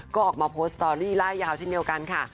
ก็ออกมาโพสต์สตอรี่ล่ายยาวเช่นเดียวกันค่ะ